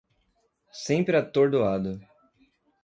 Sempre atordoado